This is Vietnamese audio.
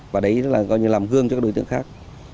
và đấy là làm hương cho đối tượng khác